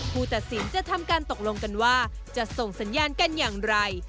ผู้ตัดสินจะทำการตกลงกันว่าจะส่งสัญญาณกันอย่างไร